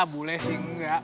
bule sih enggak